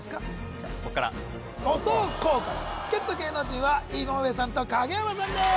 じゃあ僕から後藤弘から助っ人芸能人は井上さんと影山さんです